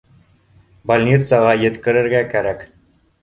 Больницаға еткерергә кәрәк